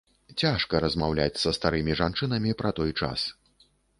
Цяжка размаўляць са старымі жанчынамі пра той час.